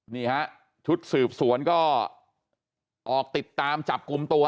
นี่ฮะชุดสืบสวนก็ออกติดตามจับกลุ่มตัว